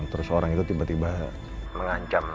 terus orang itu tiba tiba mengancam